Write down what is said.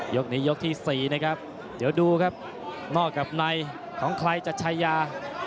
ยกนี้ยกที่๔นะครับเดี๋ยวดูครับนอกกับในของใครจะชายา